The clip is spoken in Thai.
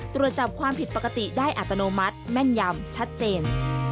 ตรวจจับความผิดปกติได้อัตโนมัติแม่นยำชัดเจน